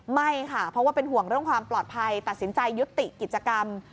ไม่ค่ะเพราะว่าเป็นห่วงเรื่องความปลอดภัยตัดสินใจยุติกิจกรรม